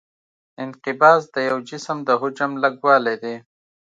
انقباض د یو جسم د حجم لږوالی دی.